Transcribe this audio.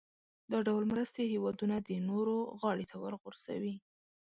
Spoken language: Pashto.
دا ډول مرستې هېوادونه د نورو غاړې ته ورغورځوي.